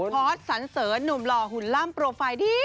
พอสสันเสริญหนุ่มหล่อหุ่นล่ำโปรไฟล์ดี